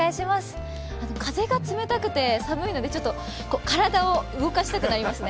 風が冷たくて寒いので体を動かしたくなりますね。